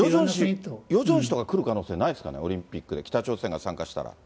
ヨジョン氏とか、来る可能性ないですかね、オリンピックで、北朝鮮が参加したら。